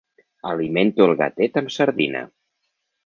Alimento el gatet amb sardina.